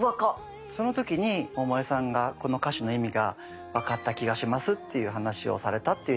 その時に百恵さんが「この歌詞の意味がわかった気がします」っていう話をされたっていうエピソードが。